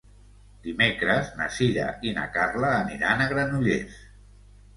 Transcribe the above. Dimecres na Sira i na Carla aniran a Granollers.